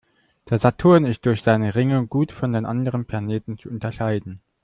Der Saturn ist durch seine Ringe gut von den anderen Planeten zu unterscheiden.